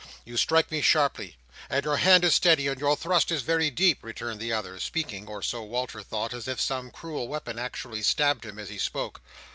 "You strike me sharply; and your hand is steady, and your thrust is very deep," returned the other, speaking (or so Walter thought) as if some cruel weapon actually stabbed him as he spoke.